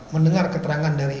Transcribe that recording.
mendengar keterangan dari